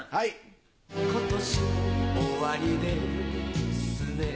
今年も終りですね